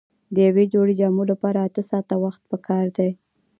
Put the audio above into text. د یوې جوړې جامو لپاره اته ساعته وخت پکار دی.